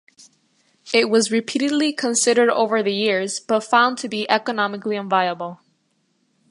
It was repeatedly considered over the years but found to be economically unviable.